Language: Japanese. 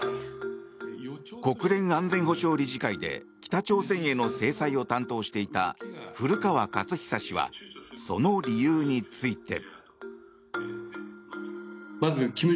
国連安全保障理事会で北朝鮮への制裁を担当していた古川勝久氏はその理由について。